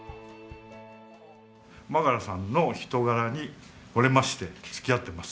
眞柄さんの人柄に惚れまして付き合ってます。